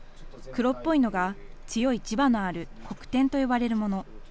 黒っぽいのが強い磁場のある黒点と呼ばれるもの。